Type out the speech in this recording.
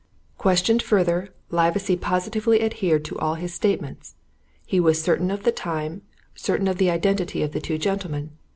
"'Questioned further, Livesey positively adhered to all his statements. He was certain of the time; certain of the identity of the two gentlemen.